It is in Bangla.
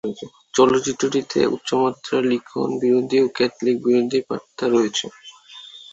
চলচ্চিত্রটিতে উচ্চমাত্রার লিখন বিরোধী ও ক্যাথলিক বিরোধী বার্তা রয়েছে।